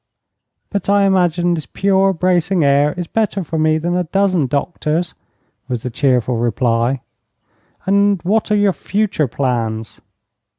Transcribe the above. But I imagine this pure, bracing air is better for me than a dozen doctors," was the cheerful reply. "And what are your future plans?"